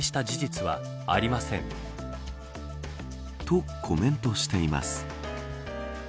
とコメントしています。